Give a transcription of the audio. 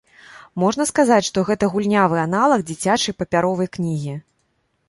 Можна сказаць, што гэта гульнявы аналаг дзіцячай папяровай кнігі.